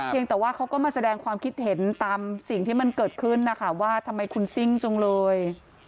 ยังแต่ว่าเขาก็มาแสดงความคิดเห็นตามสิ่งที่มันเกิดขึ้นนะคะว่าทำไมคุณซิ่งจังเลย